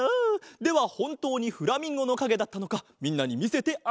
ではほんとうにフラミンゴのかげだったのかみんなにみせてあげよう。